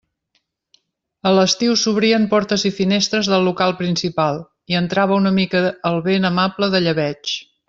A l'estiu s'obrien portes i finestres del local principal i entrava una mica el vent amable de llebeig.